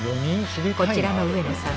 こちらの上野さん